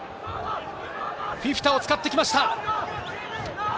フィフィタを使ってきました。